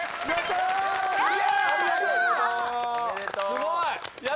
すごい！